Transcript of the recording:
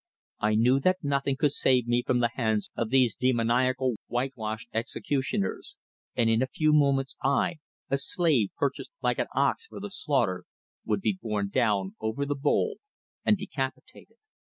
I knew that nothing could save me from the hands of these demoniacal whitewashed executioners, and in a few moments I, a slave purchased like an ox for the slaughter, would be borne down over the bowl and decapitated.